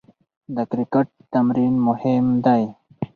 د کرکټ تمرین مهم دئ.